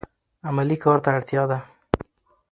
عملي کار ته اړتیا ده.